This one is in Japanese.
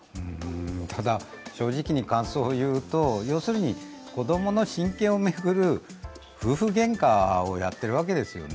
ただ、正直に感想を言うと、要するに子供の親権を巡る夫婦げんかをやってるわけですよね。